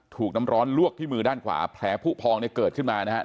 ถูกน้ำร้อนลวกที่มือด้านขวาแผลผู้พองเนี่ยเกิดขึ้นมานะครับ